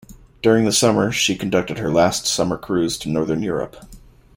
During the summer, she conducted her last summer cruise to Northern Europe.